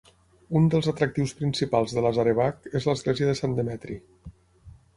Un dels atractius principals de Lazarevac és l'església de Sant Demetri.